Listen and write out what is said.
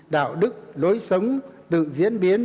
đạo đức lối sống tự diễn biến